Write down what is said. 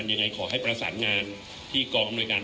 คุณผู้ชมไปฟังผู้ว่ารัฐกาลจังหวัดเชียงรายแถลงตอนนี้ค่ะ